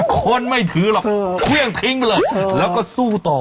คนไม่ถือหรอกเครื่องทิ้งไปเลยแล้วก็สู้ต่อ